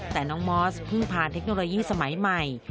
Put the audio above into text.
แต่น้องมอสเพิ่งผ่านเทคโนโลยีสมัยใหม่